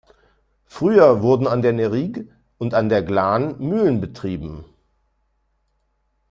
Früher wurden an der Neirigue und an der Glâne Mühlen betrieben.